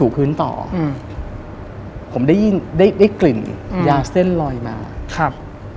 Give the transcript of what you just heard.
พื้นต่ออืมผมได้ยินได้ได้กลิ่นยาเส้นลอยมาครับ